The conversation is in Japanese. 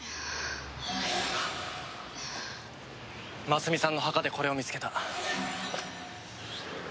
真澄さんの墓でこれを見つけた。